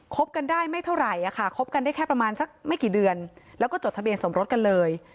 บกันได้ไม่เท่าไหร่ค่ะคบกันได้แค่ประมาณสักไม่กี่เดือนแล้วก็จดทะเบียนสมรสกันเลย